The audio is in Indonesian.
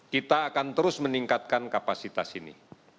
kita akan terus meningkatkan kapasitas ini